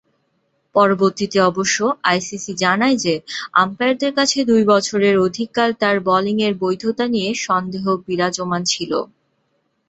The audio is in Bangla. পরবর্তীতে অবশ্য আইসিসি জানায় যে, আম্পায়ারদের কাছে দুই বছরের অধিককাল তার বোলিংয়ের বৈধতা নিয়ে সন্দেহ বিরাজমান ছিল।